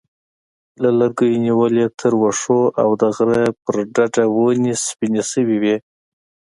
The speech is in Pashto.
له لرګیو نیولې تر واښو او د غره په ډډه ونې سپینې شوې وې.